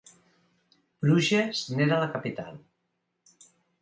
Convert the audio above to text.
Bruges n'era la capital.